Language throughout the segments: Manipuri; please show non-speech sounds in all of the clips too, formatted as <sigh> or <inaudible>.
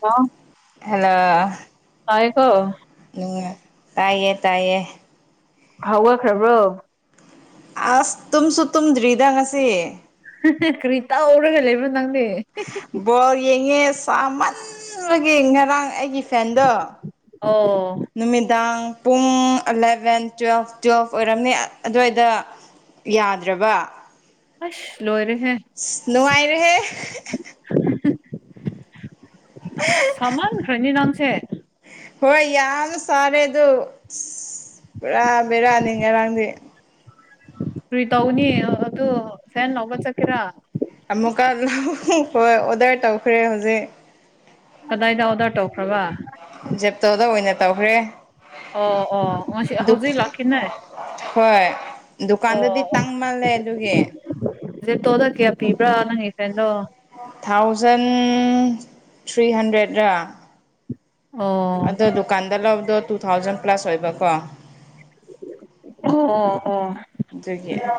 ꯍꯥ ꯍꯜꯂꯣ ꯇꯥꯏꯌꯦꯀꯣ ꯅꯨꯡꯉꯥꯢ ꯇꯥꯏꯌꯦ ꯇꯥꯏꯌꯦ ꯍꯧꯒꯠꯈ꯭ꯔꯕ꯭ꯔꯣ ꯑꯁ ꯇꯨꯝꯁꯨ ꯇꯨꯝꯗ꯭ꯔꯤꯗ ꯉꯁꯤ ꯀ꯭ꯔꯤ ꯇꯧꯔꯒ ꯂꯩꯕ꯭ꯔꯣ ꯅꯪꯗꯤ ꯕꯣꯜ ꯌꯦꯡꯉꯦ ꯁꯥ ꯃꯟꯕꯒꯤ ꯉꯔꯥꯡ ꯑꯩꯒꯤ ꯐꯦꯟꯗꯣ ꯑꯣ ꯅꯨꯃꯤꯗꯥꯡ ꯄꯨꯡ ꯑꯂꯚꯦꯟ ꯇꯨꯋꯦꯜꯐ ꯇꯨꯋꯦꯜꯐ ꯑꯣꯏꯔꯝꯅꯤ ꯑꯗꯨꯋꯥꯏꯗ ꯌꯥꯗ꯭ꯔꯕ ꯑꯁ ꯂꯣꯏꯔꯦꯍꯦ ꯅꯨꯡꯉꯥꯏꯔꯦꯍꯦ ꯑꯁ ꯁꯃꯥꯟ ꯈ꯭ꯔꯦꯅꯦ ꯅꯪꯁꯦ ꯍꯣꯏ ꯌꯥꯝꯅ ꯁꯥꯔꯦ ꯑꯗꯨ ꯑꯁ ꯄꯨꯔꯥ ꯕꯦꯔꯥꯅꯤ ꯉꯔꯥꯡꯗꯤ ꯀꯔꯤ ꯇꯧꯒꯅꯤ ꯑꯗꯨ ꯐꯦꯟ ꯂꯧꯕ ꯆꯠꯀꯦꯔꯥ ꯑꯃꯨꯛꯀ ꯍꯣꯏ ꯑꯣꯗꯔ ꯇꯧꯈ꯭ꯔꯦ ꯍꯧꯖꯤꯛ ꯀꯗꯥꯏꯗ ꯑꯣꯗꯔ ꯇꯧꯈ꯭ꯔꯕ ꯖꯦꯞꯇꯣꯗ ꯑꯣꯏꯅ ꯇꯧꯈ꯭ꯔꯦ ꯑꯣ ꯑꯣ ꯍꯧꯖꯤꯛ ꯂꯥꯛꯈꯤꯅꯤ ꯍꯣꯏ ꯗꯨꯀꯥꯟꯗꯗꯤ ꯇꯥꯡ ꯃꯥꯜꯂꯦ ꯑꯗꯨꯒꯤ ꯖꯦꯞꯇꯣꯗ ꯀꯌꯥ ꯄꯤꯕ꯭ꯔꯥ ꯅꯪꯒꯤ ꯐꯦꯟꯗꯣ ꯊꯥꯎꯖꯟ ꯊ꯭ꯔꯤꯍꯟꯗ꯭ꯔꯦꯠꯔꯥ ꯑꯣ ꯑꯗꯣ ꯗꯨꯀꯥꯟꯗ ꯂꯧꯕꯗꯣ ꯇꯨ ꯊꯥꯎꯖꯟ ꯄ꯭ꯂꯁ ꯑꯣꯏꯕꯀꯣ ꯑꯗꯒꯤ ꯑꯣ ꯑꯣ ꯑꯣ ꯎꯝ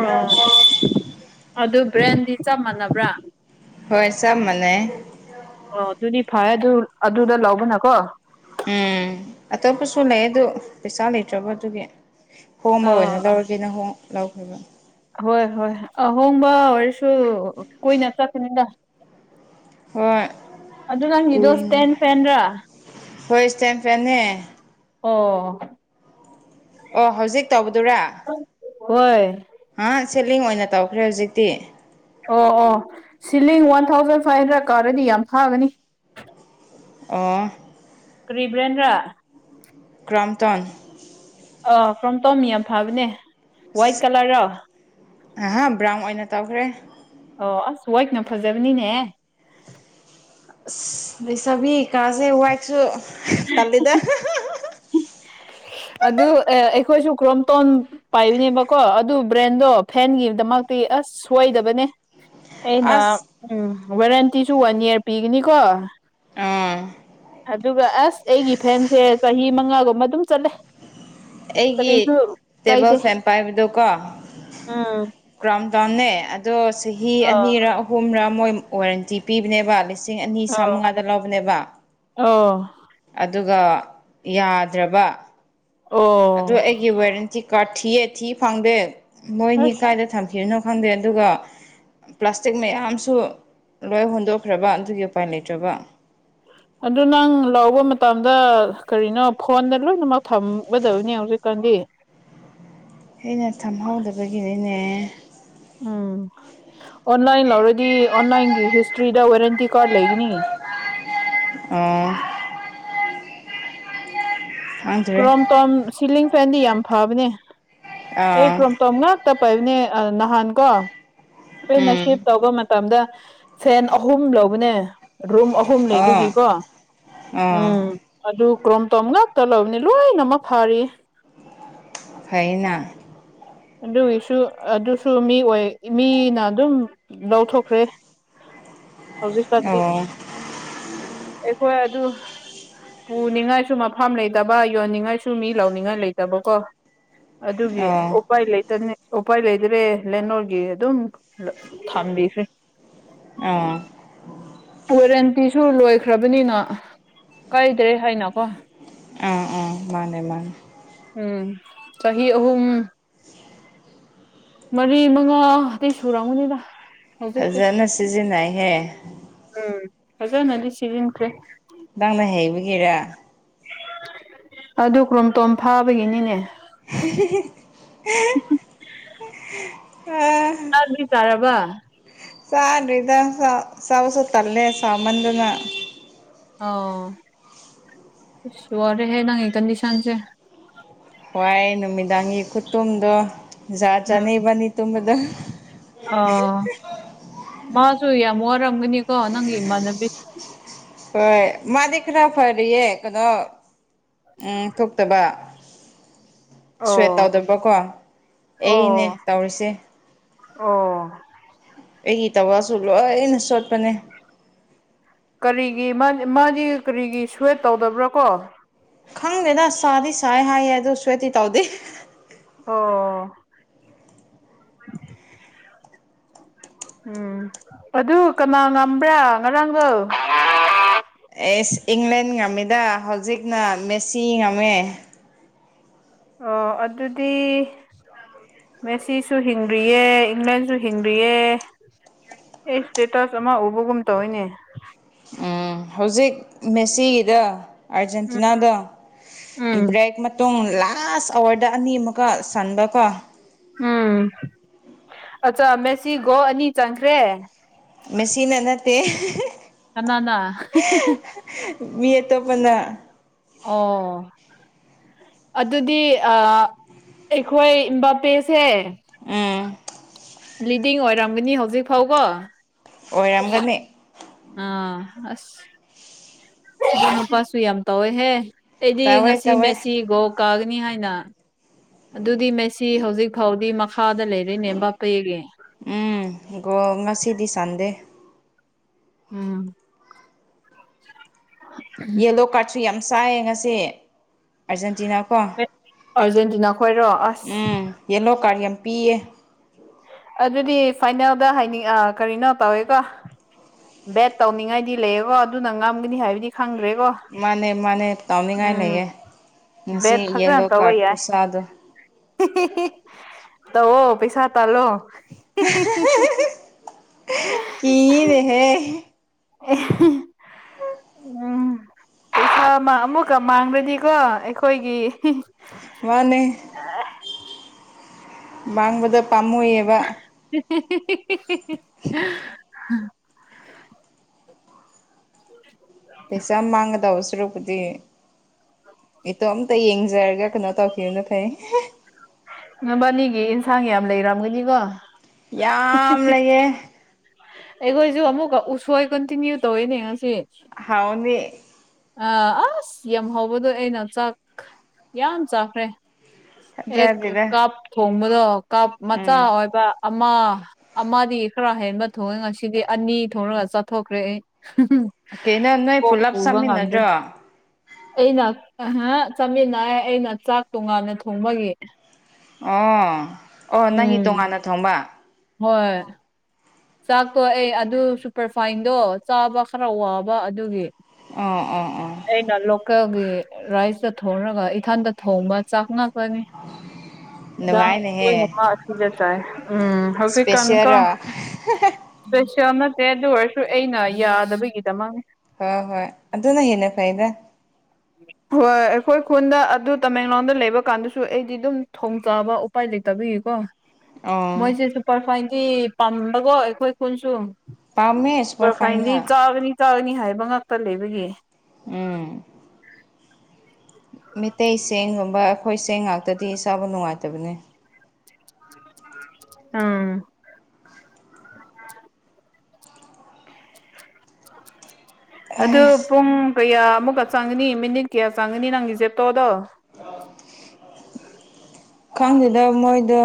ꯑꯣ ꯑꯗꯨ ꯕ꯭ꯔꯦꯟꯗꯤ ꯆꯞ ꯃꯥꯟꯅꯕ꯭ꯔꯥ ꯍꯣꯏ ꯆꯞ ꯃꯅꯩꯌꯦ ꯑꯣ ꯑꯗꯨꯗꯤ ꯐꯥꯔꯦ ꯑꯗꯨ ꯑꯗꯨꯗ ꯂꯧꯕꯅꯀꯣ ꯎꯝ ꯑꯇꯣꯞꯄꯁꯨ ꯂꯩꯌꯦ ꯑꯗꯨ ꯄꯩꯁꯥ ꯂꯩꯇ꯭ꯔꯕ ꯑꯗꯨꯒꯤ ꯍꯣꯡꯕ ꯑꯣꯏꯅ ꯑꯥ ꯂꯧꯔꯒꯦꯅ ꯍꯣꯡ ꯂꯧꯈꯤꯕ ꯍꯣꯏ ꯍꯣꯏ ꯑꯍꯣꯡꯕ ꯑꯣꯏꯔꯁꯨ ꯀꯨꯏꯅ ꯆꯠꯀꯅꯤꯗ ꯍꯣꯏ ꯑꯗꯨ ꯀꯨꯏꯅ ꯅꯪꯒꯤꯗꯣꯁꯇꯦꯟ ꯐꯦꯟ꯭ꯔꯥ ꯍꯣꯏ ꯏꯁꯇꯦꯟ ꯐꯦꯟꯅꯦ ꯑꯣ ꯑꯣ ꯍꯧꯖꯤꯛ ꯇꯧꯕꯗꯨꯔꯥ ꯍꯣꯏ ꯍꯥ ꯁꯦꯂꯤꯡ ꯑꯣꯏꯅ ꯇꯧꯈ꯭ꯔꯦ ꯍꯧꯖꯤꯛꯇꯤ ꯑꯣ ꯑꯣ ceiling one thousand five hundred ꯀꯥꯗꯗꯤ ꯌꯥꯝ ꯊꯥꯒꯅꯤ꯫ ꯑꯣ ꯀꯔꯤ ꯕ꯭ꯔꯥꯟꯂꯥ ꯀ꯭ꯔꯣꯝꯇꯣꯟ ꯑꯣ ꯀ꯭ꯔꯣꯝꯇꯣꯟ ꯌꯥꯝ ꯐꯕꯅꯦ ꯋꯥꯏꯠ ꯀꯂꯔꯔꯣ ꯑꯍꯥ ꯕ꯭ꯔꯥꯎꯟ ꯑꯣꯏꯅ ꯇꯧꯈ꯭ꯔꯦ ꯑꯣ ꯑꯁ ꯋꯥꯏꯠꯅ ꯐꯖꯕꯅꯤꯅꯦꯍꯦ ꯑꯁ ꯂꯩꯁꯥꯕꯤ ꯀꯥꯁꯦ ꯋꯥꯏꯠꯁꯨ ꯇꯜꯂꯤꯗ ꯍꯥ ꯍꯥ ꯍꯥ꯫ ꯑꯗꯨ ꯑꯦ ꯑꯩꯈꯣꯏꯁꯨ ꯀ꯭ꯔꯣꯝꯇꯣꯟ ꯄꯥꯏꯕꯅꯦꯕꯀꯣ ꯑꯗꯨ ꯕ꯭ꯔꯦꯟꯗꯣ ꯐꯦꯟꯒꯤꯗꯃꯛꯇꯤ ꯑꯁ ꯁꯣꯏꯗꯕꯅꯦ ꯑꯩꯅ ꯑꯁ ꯎꯝ ꯋꯥꯔꯦꯟꯇꯤꯁꯨ ꯋꯥꯟ ꯏꯌꯥꯔ ꯄꯤꯒꯅꯤꯀꯣ꯫ ꯑꯥ ꯑꯗꯨꯒ ꯑꯁ ꯑꯩꯒꯤ ꯐꯦꯟꯁꯦ ꯆꯍꯤ ꯃꯉꯥꯒꯨꯝꯕ ꯑꯗꯨꯝ ꯆꯠꯂꯦ ꯑꯩꯒꯤ ꯀꯔꯤꯁꯨ ꯇꯦꯕꯜ ꯀꯥꯏꯗꯦ ꯐꯦꯟ ꯄꯥꯏꯕꯗꯣꯀꯣ ꯎꯝ ꯀ꯭ꯔꯥꯎꯟ ꯇꯥꯎꯟꯅꯦ ꯑꯗꯣ ꯆꯍꯤ ꯑꯥ ꯑꯅꯤꯔꯥ ꯑꯍꯨꯝꯔꯥ ꯃꯣꯏ ꯋꯥꯔꯦꯟꯇꯤ ꯄꯤꯕꯅꯦꯕ ꯃꯦꯁꯤ ꯂꯤꯁꯤꯡ ꯑꯅꯤ ꯑꯥ ꯆꯥꯃꯉꯥꯗ ꯂꯧꯕꯅꯦꯕ ꯑꯣ ꯑꯗꯨꯒ ꯌꯥꯗ꯭ꯔꯕ ꯑꯣ ꯑꯗꯣ ꯑꯩꯒꯤ ꯋꯥꯔꯦꯟꯇꯤ ꯀꯥꯔꯗ ꯊꯤꯌꯦ ꯊꯤ ꯐꯪꯗꯦ ꯃꯣꯏꯅꯤ ꯑꯁ ꯀꯥꯏꯗ ꯊꯝꯈꯤꯕꯅꯣ ꯈꯪꯗꯦ ꯑꯗꯨꯒ ꯄ꯭ꯂꯥꯁꯇꯤꯛ ꯃꯌꯥꯝꯁꯨ ꯂꯣꯏ ꯍꯨꯟꯗꯣꯛꯈ꯭ꯔꯕ ꯑꯗꯨꯒꯤ ꯎꯄꯥꯏ ꯂꯩꯇ꯭ꯔꯕ ꯑꯗꯨ ꯅꯪ ꯂꯧꯕ ꯃꯇꯝꯗ ꯀꯔꯤꯅꯣ ꯐꯣꯟꯗ ꯂꯣꯏꯅꯃꯛ ꯊꯝꯒꯗꯕꯅꯤ ꯍꯧꯖꯤꯛꯀꯥꯟꯗꯤ ꯑꯩꯅ ꯊꯝꯍꯧꯗꯕꯒꯤꯅꯤꯅꯦ ꯎꯝ ꯑꯣꯟꯂꯥꯏꯟ ꯂꯧꯔꯗꯤ ꯑꯣꯟꯂꯥꯏꯟꯒꯤ ꯍꯤꯁꯇ꯭ꯔꯤꯗ ꯋꯥꯔꯦꯟꯇꯤ ꯀꯥꯔꯗ ꯂꯩꯒꯅꯤ ꯑꯝ ꯑ ꯀ꯭ꯔꯣꯝꯇꯣꯝ ꯁꯤꯂꯤꯡ ꯐꯦꯟꯗꯤ ꯌꯥꯝ ꯐꯕꯅꯦ ꯑꯦ ꯑꯥ ꯀ꯭ꯔꯣꯝ ꯇꯣꯝ ꯉꯥꯛꯇ ꯄꯥꯏꯕꯅꯦ ꯅꯍꯥꯟ ꯀꯣ ꯈꯣꯏꯅ ꯎꯝ ꯍꯤꯞ ꯇꯧꯕ ꯃꯇꯝꯗ ꯐꯦꯟ ꯑꯍꯨꯝ ꯂꯧꯕꯅꯦ꯫ ꯔꯨꯝ ꯑꯍꯨꯝ ꯑꯣ ꯂꯩꯕꯒꯤꯀꯣ ꯑꯣ ꯎꯝ ꯑꯗꯨ ꯀ꯭ꯔꯣꯝꯇꯣꯝ ꯉꯥꯛꯇ ꯂꯕꯅꯤ ꯂꯣꯏꯅ ꯑꯃꯃꯛ ꯐꯥꯔꯤ ꯐꯩꯌꯦꯅꯥ ꯑꯗꯨꯒꯤꯁꯨ ꯑꯗꯨꯁꯨ ꯃꯤ ꯑꯣꯏ ꯃꯤꯅ ꯑꯗꯨꯝ ꯂꯧꯊꯣꯛꯈ꯭ꯔꯦ꯫ ꯍꯧꯖꯤꯛꯀꯥꯟꯗꯤ ꯑꯣ ꯑꯣ ꯑꯩꯈꯣꯏ ꯑꯗꯨ ꯄꯨꯅꯤꯡꯉꯥꯏꯁꯨ ꯃꯐꯝ ꯂꯩꯇꯕ ꯌꯣꯟꯅꯤꯡꯉꯥꯏꯁꯨ ꯃꯤ ꯂꯧꯅꯤꯡꯉꯥꯏ ꯂꯩꯇꯕꯀꯣ ꯑꯗꯨꯒꯤ ꯑꯣ ꯑꯣꯞ ꯎꯄꯥꯏ ꯂꯩꯇꯅ ꯎꯄꯥꯏ ꯂꯩꯇ꯭ꯔꯦ ꯂꯩꯅꯣꯒꯤ ꯑꯗꯨꯝ ꯊꯝꯕꯤꯈ꯭ꯔꯦ ꯑꯥ ꯋꯥꯔꯦꯟꯇꯤꯁꯨ ꯂꯣꯏꯈ꯭ꯔꯕꯅꯤꯅ ꯀꯥꯏꯗ꯭ꯔꯦ ꯍꯥꯏꯅꯀꯣ ꯑ ꯑ ꯃꯥꯅꯦ ꯃꯥꯅꯦ ꯎꯝ ꯆꯍꯤ ꯑꯍꯨꯝ ꯃꯔꯤ ꯃꯉꯥ ꯑꯇꯩ ꯁꯨꯔꯝꯒꯅꯤꯗ ꯍꯧꯖꯤꯛꯇꯤ ꯐꯖꯅ ꯁꯤꯖꯤꯟꯅꯩꯍꯦ ꯎꯝ ꯐꯖꯅꯗꯤ ꯁꯤꯖꯤꯟꯈ꯭ꯔꯦ ꯅꯪꯅ ꯍꯩꯕꯒꯤꯔ ꯑꯗꯨ ꯀ꯭ꯔꯣꯝꯇꯣꯝ ꯐꯥꯕꯒꯤꯅꯤꯅꯦ ꯑ ꯍꯥꯠꯕ꯭ꯔꯦꯛ ꯇꯥꯔꯕ ꯆꯗ꯭ꯔꯤꯗ ꯆꯥ ꯆꯥꯋꯁꯨ ꯇꯜꯂꯦ ꯁꯃꯟꯗꯅ꯫ ꯑꯣ ꯑꯁ ꯋꯥꯔꯦꯍꯦ ꯅꯪꯒꯤ ꯀꯟꯗꯤꯁꯟꯁꯦ ꯋꯥꯏ ꯅꯨꯃꯤꯗꯥꯡꯒꯤ ꯈꯨꯇꯨꯝꯗꯣꯖꯥꯠ ꯎꯝ ꯆꯥꯅꯤꯕꯅꯤ ꯇꯨꯝꯕꯗꯣ ꯑꯣ ꯃꯥꯖꯨ ꯌꯥꯝ ꯋꯥꯔꯝꯒꯅꯤꯀꯣ ꯅꯪꯒꯤ ꯏꯃꯥꯟꯅꯕꯤ ꯍꯣꯏ ꯃꯥꯗꯤ ꯈꯔ ꯐꯔꯤꯌꯦ ꯀꯩꯅꯣ ꯎꯝ ꯇꯨꯞ ꯐꯠꯇꯕ ꯁ꯭ꯋꯦꯠ ꯑꯣ ꯇꯧꯗꯕꯀꯣ ꯑꯩꯅꯦ ꯑꯣ ꯇꯧꯔꯤꯁꯦ ꯑꯣ ꯑꯩꯒꯤ ꯇꯋꯥꯁꯨ ꯂꯣꯏꯅ ꯆꯣꯠꯄꯅꯦ ꯀꯔꯤꯒꯤ ꯃꯥ ꯃꯥꯗꯤ ꯀꯔꯤꯒꯤ ꯁ꯭ꯨꯋꯦꯠ ꯇꯧꯗꯕ꯭ꯔꯥ ꯀꯣ ꯈꯪꯗꯦꯗꯁꯁꯥꯗꯤ ꯁꯥꯏ ꯍꯥꯏꯌꯦ ꯑꯗꯨ ꯁꯨꯋꯦꯠꯇꯤ ꯇꯧꯗꯦ꯫ ꯑꯣ ꯎꯝ ꯑꯗꯨ ꯀꯅꯥ ꯉꯝꯕ꯭ꯔꯥ ꯉꯔꯥꯡꯗꯣ ꯑꯦꯁ ꯏꯪꯂꯦꯟ ꯉꯝꯃꯤꯗ ꯍꯧꯖꯤꯛꯅ ꯃꯦꯁꯤ ꯉꯝꯃꯦ ꯑꯣ ꯑꯗꯨꯗꯤ ꯃꯦꯁꯤꯁꯨ ꯍꯤꯡꯗ꯭ꯔꯤꯌꯦ ꯏꯪꯂꯦꯟꯁꯨ ꯍꯤꯡꯗ꯭ꯔꯤꯌꯦ ꯑꯦꯛꯁ ꯁ꯭ꯇꯦꯇꯁ ꯑꯃ ꯎꯕꯒꯨꯝ ꯇꯧꯋꯤꯅꯦ ꯍꯧꯖꯤꯛ ꯃꯦꯁꯤꯒꯤꯗ ꯎꯝ ꯑꯥꯔꯖꯦꯟꯇꯤꯅꯥꯗꯣ ꯎꯝ ꯕ꯭ꯔꯦꯛ ꯃꯇꯨꯡ ꯂꯥꯛ ꯂꯥꯁ ꯑꯋꯥꯔꯗ ꯑꯅꯤ ꯑꯃꯨꯛꯀ ꯆꯟꯕꯀꯣ ꯎꯝ ꯑꯠꯆꯥ ꯃꯦꯁꯤ ꯒꯣꯜ ꯑꯅꯤ ꯆꯟꯈ꯭ꯔꯦ ꯃꯦꯁꯤꯤꯟ ꯅꯠꯇꯦ ꯀꯅꯥꯅ ꯍꯦ ꯍꯦ ꯍꯦ ꯃꯤ ꯑꯇꯣꯞꯄꯅ ꯑꯣ ꯑꯗꯨꯗꯤ ꯑ ꯑꯩꯈꯣꯏ ꯏꯝꯕꯥꯄꯦꯁꯦ ꯎꯝ ꯂꯤꯗꯤꯡ ꯑꯣꯏꯔꯝꯒꯅꯤ ꯍꯧꯖꯤꯛ ꯐꯥꯎꯕꯣ꯫ ꯑꯣꯏꯔꯝꯒꯅꯤ ꯑꯥ ꯑꯁ ꯏꯕ ꯃꯄꯥꯁꯨ ꯌꯥꯝ ꯇꯧꯋꯦꯍꯦ ꯑꯩꯗꯤ ꯇꯧꯋꯦ ꯉꯁꯤ ꯇꯧꯋꯦ ꯃꯦꯁꯤ ꯒꯣ ꯀꯥꯒꯅꯤ ꯍꯥꯏꯅ ꯑꯗꯨꯗꯤ ꯃꯁꯤ ꯍꯧꯖꯤꯛ ꯐꯥꯎꯗꯤ ꯃꯈꯥꯗ ꯂꯩꯔꯦꯅꯦꯦꯝ ꯕꯥꯄꯦꯒꯦ ꯎꯝ ꯣ ꯉꯁꯤꯗꯤ ꯆꯥꯟꯗꯦ ꯎꯝ ꯌꯦꯂꯣ ꯀꯥꯔ꯭ꯠꯁꯨ ꯌꯥꯝ ꯆꯥꯏꯌꯦ ꯉꯁꯤ ꯑꯥꯔꯖꯦꯟꯇꯤꯅꯥ ꯀꯣ ꯑꯥꯔꯖꯦꯟꯇꯤꯅꯥ ꯈꯣꯏꯔꯣ ꯑꯁ ꯎꯝ ꯌꯦꯂꯣ ꯀꯥꯔ꯭ꯠ ꯌꯥꯝ ꯄꯤꯌꯦ ꯑꯗꯨꯗꯤ ꯐꯥꯏꯅꯦꯜꯗ ꯍꯥꯏꯅꯤꯡ ꯑ ꯀꯔꯤꯅꯣ ꯇꯧꯋꯦꯀꯣ꯫ ꯕꯦꯠ ꯇꯧꯅꯤꯡꯉꯥꯏꯗꯤ ꯂꯩꯌꯦꯀꯣ ꯑꯗꯨꯅ ꯉꯝꯒꯅꯤ ꯍꯥꯏꯕꯗꯤ ꯈꯪꯗ꯭ꯔꯦꯀꯣ ꯃꯥꯅꯦ ꯃꯥꯅꯦ ꯇꯥꯎꯅꯤꯡꯉꯥꯏ ꯎꯝ ꯂꯩꯌꯦ ꯉꯁꯤ ꯌꯦꯂꯣ ꯀꯥꯔ꯭ꯠ ꯈꯨꯆꯥꯗꯣ ꯇ ꯑꯣ ꯄꯩꯁꯥ ꯇꯥꯂꯣ ꯀꯤꯌꯦ ꯅꯦ ꯍꯦ ꯑꯦ ꯍꯤ ꯍꯤ ꯎ ꯎꯝ ꯄꯩꯁꯥ ꯑꯃ ꯑꯃꯨꯛꯀ ꯃꯥꯡꯔꯗꯤꯀꯣ ꯑꯩꯈꯣꯏꯒꯤ ꯃꯥꯅꯦ ꯃꯥꯡꯕꯗ ꯄꯥꯝꯃꯨꯌꯦꯕ ꯍꯦ ꯍꯦ ꯍꯦ ꯍꯦ ꯍꯦ ꯍꯥ ꯎ ꯄꯩꯁꯥ ꯃꯥꯡꯒꯗꯧꯕ ꯁꯔꯨꯛꯄꯨꯗꯤ ꯏꯇꯣꯝꯇ ꯌꯦꯡꯖꯔꯒ ꯀꯩꯅꯣ ꯇꯧꯈꯤꯕꯅ ꯐꯩ ꯅꯣꯏꯕꯥꯅꯤꯒꯤ ꯏꯟꯁꯥꯡ ꯌꯥꯝ ꯂꯩꯔꯝꯒꯅꯤꯀꯣ ꯌꯥꯝ ꯂꯩꯌꯦ ꯑꯩꯈꯣꯏꯖꯨ ꯑꯃꯨꯛꯀ ꯎꯁꯣꯏ ꯀꯟꯇꯤꯅ꯭ꯌꯨ ꯇꯧꯋꯤꯅꯦ ꯉꯁꯤ ꯍꯥꯎꯅꯤ ꯑꯥ ꯑꯁ ꯌꯥꯝ ꯍꯧꯕꯗꯣ ꯑꯩꯅ ꯆꯥꯛ ꯌꯥꯝ ꯆꯥꯈ꯭ꯔꯦ ꯑꯦꯛ ꯊꯥꯖꯗꯦꯗ ꯀꯞ ꯊꯣꯡꯕꯗꯣ ꯀꯞ ꯃꯆꯥ ꯎꯝ ꯑꯣꯏꯕ ꯑꯃ ꯑꯃ ꯈꯔ ꯍꯦꯟꯕ ꯊꯣꯛꯑꯦ ꯉꯁꯤꯗꯤ ꯑꯅꯤ ꯊꯣꯡꯔꯒ ꯆꯠꯊꯣꯛꯈ꯭ꯔꯦ ꯑꯩ ꯀꯩꯅꯣ ꯅꯣꯏ ꯀꯣꯛ ꯄꯨꯜꯂꯞ ꯄꯨꯕ ꯉꯝꯗ꯭ꯔꯦ ꯆꯥꯃꯤꯟꯅꯗ꯭ꯔꯣ ꯑꯩꯅ ꯆꯥꯃꯤꯟꯅ ꯑꯩꯅ ꯆꯥꯛ ꯇꯣꯉꯥꯟꯅ ꯊꯣꯡꯕꯒꯤ ꯑꯣ ꯑꯣ ꯅꯪꯒꯤ ꯎꯝ ꯇꯣꯉꯥꯟꯅ ꯊꯣꯡꯕ ꯍꯣꯏ ꯆꯥꯛꯇꯣ ꯑꯦ ꯑꯗꯨ ꯁꯨꯄꯔꯐꯥꯏꯟꯗꯣ ꯆꯥꯕ ꯈꯔ ꯋꯥꯕ ꯑꯗꯨꯒꯤ ꯑꯥ ꯑꯥ ꯑꯥ ꯑꯩꯅ ꯂꯣꯀꯦꯜꯒꯤ ꯔꯥꯏꯁꯇ ꯊꯣꯡꯉꯒ ꯏꯊꯟꯗ ꯊꯣꯡꯕ ꯆꯥꯛ ꯉꯥꯛ ꯃꯥꯅꯦ ꯅꯨꯡꯉꯥꯏꯅꯦꯍꯦ <unintelligible> ꯎꯝ ꯍꯧꯖꯤꯛꯀꯥꯟ ꯀꯣ ꯏꯁꯄꯦꯁꯦꯜꯔꯣ <unintelligible> ꯄꯩꯁꯥ ꯅꯠꯇꯦ ꯑꯗꯨ ꯑꯣꯏꯔꯁꯨ ꯑꯩꯅ ꯌꯥꯗꯕꯒꯤꯗꯃꯛ ꯍꯣꯏ ꯍꯣꯏ ꯑꯗꯨꯅ ꯍꯦꯟꯅ ꯐꯩꯗ <inaudible> ꯍꯣꯏ ꯑꯩꯈꯣꯏ ꯈꯨꯟꯗ ꯑꯗꯨ ꯇꯃꯦꯡꯂꯣꯡꯗ ꯂꯩꯕ ꯀꯥꯟꯗꯁꯨ ꯑꯩꯗꯤ ꯑꯗꯨꯝ ꯊꯣꯡꯖꯕ ꯄꯥꯏ ꯂꯩꯇꯕꯤꯒꯤꯀꯣ ꯃꯣꯏꯖꯦ ꯁꯨꯄꯔ ꯐꯥꯏꯟꯗꯤ ꯄꯥꯝꯕꯀꯣ ꯑꯩꯈꯣꯏ ꯈꯨꯟꯁꯨ ꯄꯥꯝꯃꯦ ꯁꯨꯄꯔ ꯐꯥꯢꯟꯗꯤ ꯐꯥꯏꯟꯅ ꯆꯥꯒꯅꯤ ꯆꯥꯒꯅꯤ ꯍꯥꯏꯕ ꯉꯥꯛꯇ ꯂꯩꯕꯒꯤ ꯎꯝ ꯃꯤꯇꯩꯩ ꯆꯦꯡꯒꯨꯝꯕ ꯑꯩꯈꯣꯏ ꯆꯦꯡ ꯉꯥꯛꯇꯗꯤ ꯆꯥꯕ ꯅꯨꯡꯉꯥꯏꯇꯕꯅꯦ ꯎꯪ ꯑꯗꯨ ꯑꯁ ꯄꯨꯡ ꯀꯌꯥ ꯑꯃꯨꯛꯀ ꯆꯪꯒꯅꯤ ꯃꯤꯅꯤꯠ ꯀꯌꯥ ꯆꯪꯒꯅꯤ ꯅꯪꯒꯤ ꯖꯦꯞꯇꯣꯗꯣ ꯈꯪꯗꯦꯗ ꯃꯣꯏꯗꯣ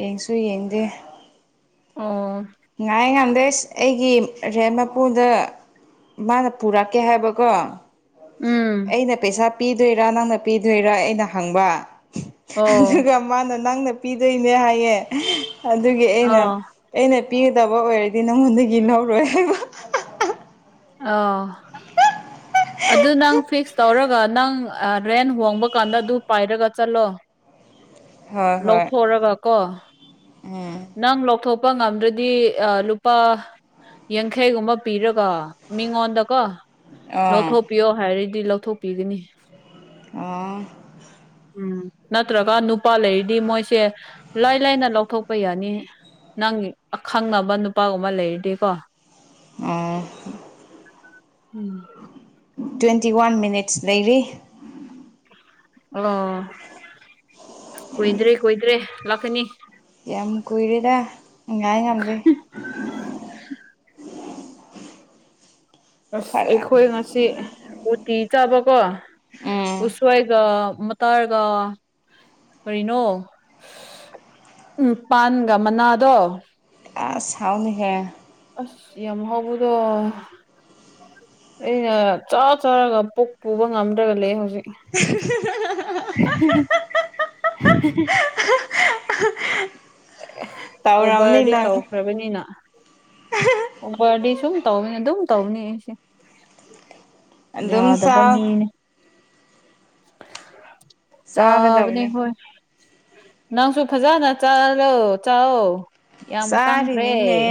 ꯌꯦꯡꯁꯨ ꯌꯦꯡꯗꯦ ꯑꯣ ꯉꯥꯏ ꯉꯥꯗꯦ ꯑꯁ ꯑꯩꯒꯤ ꯔꯦꯟ ꯃꯄꯨꯗ ꯃꯥꯅ ꯄꯨꯔꯛꯀꯦ ꯍꯥꯏꯕꯀꯣ ꯎꯝ ꯑꯩꯅ ꯄꯩꯁꯥ ꯄꯤꯗꯣꯏꯔꯥ ꯅꯪꯅ ꯄꯤꯗꯣꯏꯔꯥ ꯑꯩꯅ ꯍꯪꯕ ꯑꯣ ꯑꯗꯨꯒ ꯃꯥꯅ ꯅꯪꯅ ꯄꯤꯗꯣꯏꯅꯦ ꯍꯥꯏꯌꯦ ꯑꯗꯨꯒꯤ ꯑꯩꯅ ꯑꯣ ꯑꯩꯅ ꯄꯤꯒꯗꯕ ꯑꯣꯢꯔꯗꯤ ꯅꯉꯣꯟꯗꯒꯤ ꯂꯧꯔꯣꯢ ꯍꯥꯢꯕ ꯑꯥꯎ ꯑꯗꯨ ꯅꯪ ꯐꯤꯛꯁ ꯇꯧꯔꯒ ꯅꯪ ꯔꯦꯟ ꯍꯣꯡꯕ ꯀꯥꯟꯗ ꯑꯗꯨ ꯄꯥꯏꯔꯒ ꯆꯠꯂꯣ ꯍꯣꯏ ꯍꯣꯏ ꯂꯧꯊꯣꯛꯔꯒ ꯀꯣ ꯎꯝ ꯅꯪ ꯂꯧꯊꯣꯛꯄ ꯉꯝꯗ꯭ꯔꯗꯤ ꯑ ꯂꯨꯄꯥ ꯌꯥꯡꯈꯩꯒꯨꯝꯕ ꯄꯤꯔꯒ ꯃꯤꯉꯣꯟꯗꯀꯣ ꯑꯥ ꯂꯧꯊꯣꯛꯄꯤꯌꯣ ꯍꯥꯏꯔꯗꯤ ꯂꯧꯊꯣꯛꯄꯤꯒꯅꯤ ꯑꯪ ꯎꯝ ꯅꯠꯇ꯭ꯔꯒ ꯅꯨꯄꯥ ꯂꯩꯔꯤꯗꯤ ꯃꯣꯏꯁꯦ ꯂꯥꯏ ꯂꯥꯏꯅ ꯂꯧꯊꯣꯛ ꯂꯄ ꯌꯥꯅꯤ ꯅꯪ ꯑꯈꯪ ꯑꯃ ꯅꯨꯄꯥꯒꯨꯝꯕ ꯂꯩꯔꯗꯤꯀꯣ ꯑꯥ ꯎꯝ ꯇ꯭ꯋꯦꯟꯇꯤ ꯋꯥꯟ ꯃꯤꯅꯤꯠꯁ ꯂꯩꯔꯤ ꯑꯣ ꯀꯣꯏꯏꯗ꯭ꯔꯦ ꯀꯣꯏꯗ꯭ꯔꯦ ꯂꯥꯛꯀꯅꯤ ꯌꯥꯝ ꯀꯨꯏꯔꯦꯗ ꯉ ꯉꯥꯏ ꯉꯝꯗꯦ ꯑꯁ ꯐꯔꯛ ꯑꯩꯈꯣꯏ ꯉꯁꯤ ꯎꯇꯤ ꯆꯥꯕꯀꯣ ꯎꯝ ꯎꯁꯋꯥꯏꯒ ꯃꯇꯥꯔꯒ ꯀꯔꯤꯅꯣ ꯎꯝ ꯄꯥꯟꯒ ꯃꯅꯥꯗꯣ ꯑꯁ ꯍꯥꯎꯅꯤꯍꯦ ꯑꯁ ꯌꯥꯝ ꯍꯥꯎꯕꯗꯣ ꯑꯩꯅ ꯆꯥ ꯆꯥꯔꯒ ꯄꯨꯛ ꯄꯨꯕ ꯉꯝꯗ꯭ꯔꯒ ꯂꯩ ꯍꯧꯖꯤꯛ <inaudible> <unintelligible> <unintelligible> ꯇꯧꯔꯝꯅꯤ ꯑꯣꯕꯔꯗꯤ ꯅꯪ ꯇꯧꯈ꯭ꯔꯕꯅꯤꯅ <unintelligible> ꯑꯣꯕꯔꯗꯤ ꯁꯨꯝ ꯇꯧꯅꯦ ꯑꯗꯨꯝ ꯇꯧꯕꯅꯦ ꯑꯩꯁꯦ ꯑꯗꯨꯝ ꯌꯥꯗꯕ ꯆꯥꯎ ꯃꯅꯤ ꯆꯥꯕꯅꯤ ꯆꯥꯒꯗꯕꯅꯤ ꯍꯣꯏ ꯅꯪꯁꯨ ꯐꯖꯅ ꯆꯥꯂꯣ ꯆꯥꯛ ꯌꯥꯝ ꯀꯪꯈ꯭ꯔꯦ ꯆꯥꯔꯤꯅꯤꯅꯦ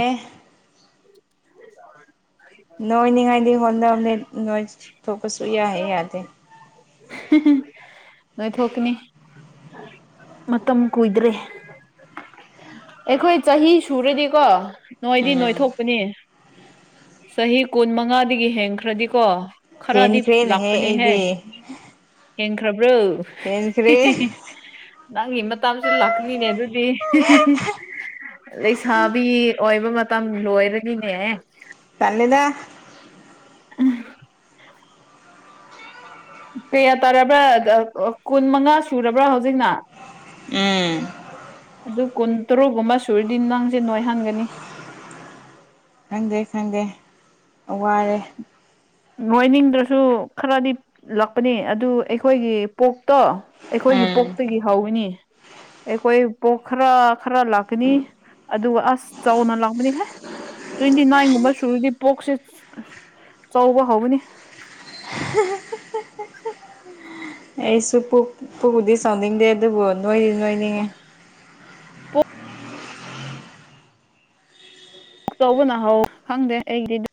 <inaudible> ꯅꯣꯏꯅꯤꯉꯥꯏꯗꯤ ꯍꯣꯠꯅꯕꯅꯦ ꯅꯣꯏ ꯊꯣꯛꯄꯁꯨ ꯌꯥꯍꯦ ꯌꯥꯗꯦ ꯅꯣꯏ ꯊꯣꯛꯀꯅꯤ ꯃꯇꯝ ꯀꯨꯏꯗ꯭ꯔꯦ ꯑꯩꯈꯣꯏ ꯆꯍꯤ ꯁꯨꯔꯗꯤꯀꯣ ꯅꯣꯏꯗꯤ ꯎꯝ ꯅꯣꯏꯊꯣꯛ ꯅꯤ ꯆꯍꯤ ꯀꯨꯟ ꯃꯉꯥꯗꯒꯤ ꯍꯦꯟꯈ꯭ꯔꯗꯤꯀꯣ ꯈꯔꯗꯤ ꯍꯦꯟꯈ꯭ꯔꯦꯅꯦꯍꯦ ꯂꯥꯛꯄꯅꯦꯍꯦ ꯑꯩꯗꯤ ꯍꯦꯟꯈ꯭ꯔꯕ꯭ꯔꯣ ꯍꯦꯟꯈ꯭ꯔꯦ ꯅꯪꯒꯤ ꯃꯇꯥꯁꯨ ꯂꯥꯛꯀꯅꯤꯅꯦ ꯑꯗꯨꯗꯤ ꯂꯩꯁꯥꯕꯤ ꯑꯣꯏꯕ ꯃꯇꯝ ꯂꯣꯏꯔꯅꯤꯅꯦꯍ ꯀꯜꯂꯤꯗ ꯎꯝ ꯀꯌꯥ ꯇꯥꯔꯕ꯭ꯔꯥ ꯀꯨꯟ ꯃꯉꯥ ꯁꯨꯔꯕ꯭ꯔꯥ ꯍꯧꯖꯤꯛꯅ ꯎꯝ ꯑꯗꯨ ꯀꯨꯟ ꯇꯔꯨꯛꯒꯨꯝꯕ ꯁꯨꯔꯗꯤ ꯅꯪꯁꯦ ꯅꯣꯏꯍꯟꯒꯅꯤ ꯈꯪꯗꯦ ꯈꯪꯗꯦ ꯋꯥꯔꯦ ꯉꯣꯏꯅꯤꯡꯗ꯭ꯔꯁꯨ ꯈꯔꯗꯤ ꯂꯥꯛꯄꯅꯤ ꯑꯗꯨ ꯑꯩꯈꯣꯏꯒꯤ ꯄꯣꯛꯇꯣ ꯑꯩꯈꯣꯏꯒꯤ ꯎꯝ ꯄꯣꯛꯇꯒꯤ ꯍꯧꯋꯤꯅꯤ ꯑꯩꯈꯣꯏ ꯄꯣꯛ ꯈꯔ ꯈꯔ ꯂꯥꯛꯀꯅꯤ ꯑꯗꯨꯒ ꯑꯁ ꯆꯥꯎꯅ ꯂꯥꯛꯀꯅꯤꯍꯦ ꯇ꯭ꯋꯦꯟꯇꯤ ꯅꯥꯏꯟꯒꯨꯝꯕ ꯁꯨꯔꯗꯤ ꯄꯣꯛꯁꯦ ꯆꯥꯎꯕ ꯍꯧꯕꯅꯤ ꯑꯩꯁꯨ ꯄꯨꯛꯨꯗꯤ ꯆꯥꯎꯅꯤꯡꯗꯦ ꯑꯗꯨꯕꯨ ꯅꯣꯏꯗꯤ ꯅꯣꯏꯅꯤꯡꯉꯦ ꯄꯨ ꯇꯧꯕꯅ ꯍꯧ ꯈꯪꯗꯦ ꯑꯩꯒꯤꯗꯤ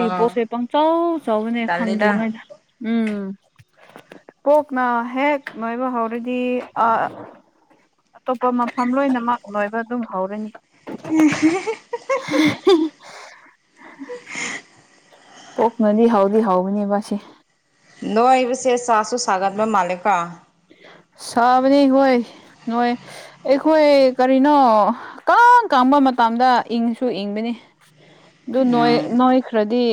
ꯑ ꯄꯣꯠꯁꯦ ꯄꯪꯆꯧ ꯆꯥꯎꯅꯦ ꯈꯪꯗ꯭ꯔꯤ ꯇꯜꯂꯤꯗ ꯃꯣꯏꯅ ꯎꯝ ꯄꯣꯛꯅ ꯍꯦꯛ ꯅꯣꯏꯕꯨ ꯍꯧꯔꯗꯤ ꯑ ꯑꯇꯣꯞꯄ ꯃꯐꯝ ꯂꯣꯏꯅꯃꯛ ꯂꯣꯏꯕ ꯑꯗꯨꯝ ꯍꯧꯔꯅꯤ ꯄꯣꯛꯅꯗꯤ ꯍꯥꯎꯗꯤ ꯍꯥꯎꯕꯅꯦꯕꯁꯤ ꯅꯣꯏ ꯏꯕꯁꯦ ꯆꯥꯁꯨ ꯁꯥꯒꯠꯕ ꯃꯥꯂꯀꯣ ꯁꯥꯕꯅꯤ ꯍꯣꯏ ꯅꯣꯏ ꯑꯩꯈꯣꯏ ꯀꯔꯤꯅꯣ ꯀꯥꯡ ꯀꯥꯡꯕ ꯃꯇꯝꯗ ꯏꯪꯁꯨ ꯏꯪꯕꯅꯤ ꯑꯗꯨ ꯅꯣꯏ ꯎꯝ ꯅꯣꯏꯈ꯭ꯔꯗꯤ